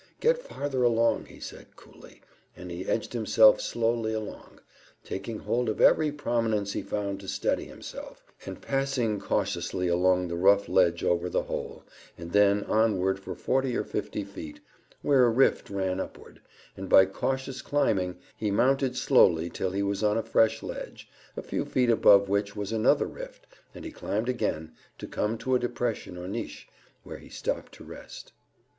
"Get farther along," he said coolly; and he edged himself slowly along, taking hold of every prominence he found to steady himself, and passing cautiously along the rough ledge over the hole, and then onward for forty or fifty feet, where a rift ran upward, and, by cautious climbing, he mounted slowly till he was on a fresh ledge, a few feet above which was another rift, and he climbed again, to come to a depression or niche, where he stopped to rest.